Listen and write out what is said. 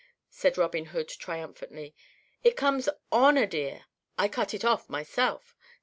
said Robin Hood, triumphantly. "It comes on a deer. I cut it off myself.